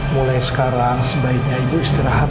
mulai sekarang sebaiknya ibu istirahat